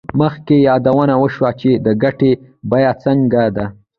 مخکې یادونه وشوه چې د ګټې بیه څنګه ده